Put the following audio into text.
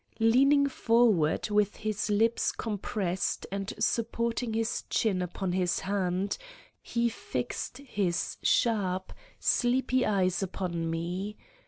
Leaning forward with his lips compressed and supporting his chin upon his hand, he fixed his sharp, sleepy eyes upon me.